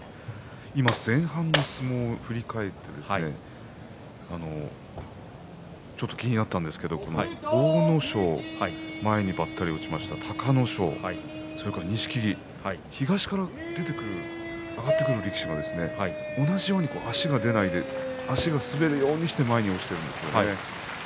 今、前半の相撲を振り返ってちょっと気になったんですけど阿武咲前にばったり落ちました隆の勝それから錦木東から上がってくる力士が同じように足が出ないで足が滑るようにして前に落ちているんですよね。